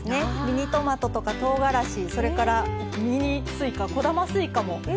ミニトマトとかとうがらしそれからミニすいかこだますいかも育ててるんですよ。